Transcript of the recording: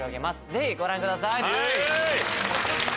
ぜひご覧ください！